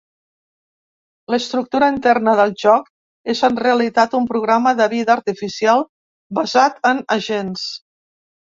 L'estructura interna del joc és en realitat un programa de vida artificial basat en agents.